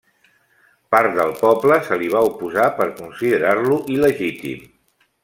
Part del poble se li va oposar per considerar-lo il·legítim.